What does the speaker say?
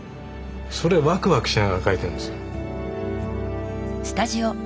それをワクワクしながら描いてるんですよ。